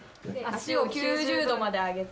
足を９０度まで上げて。